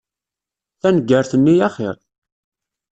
Taneggart-nni axir.